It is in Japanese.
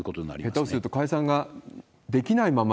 下手すると、解散ができないまま。